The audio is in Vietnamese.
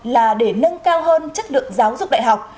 là để nâng cao hơn chất lượng giáo dục đại học